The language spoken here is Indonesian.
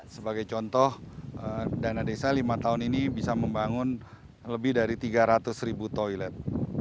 sebagai contoh dana desa lima tahun ini bisa membangun lebih dari tiga ratus ribu toilet